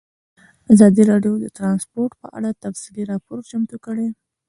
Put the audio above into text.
ازادي راډیو د ترانسپورټ په اړه تفصیلي راپور چمتو کړی.